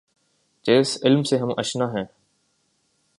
جس علم سے ہم آشنا ہیں۔